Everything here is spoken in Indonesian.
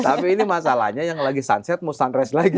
tapi ini masalahnya yang lagi sunset mau sunrise lagi